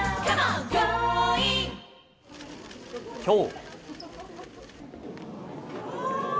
今日。